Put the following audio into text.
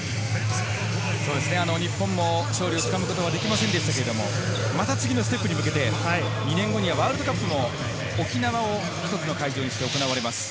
日本も勝利をつかむことができませんでしたけれども、次のステップに向けて２年後にはワールドカップも沖縄を１つの会場として行われます。